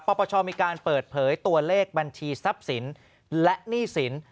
ปปชมีการเปิดเผยตัวเลขบัญชีทรัพย์สินและหนี้สิน